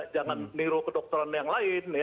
jangan niru kedokteran yang lain